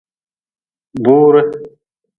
Duure.